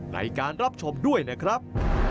ในการรับชมด้วยนะครับ